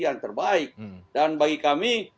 yang terbaik dan bagi kami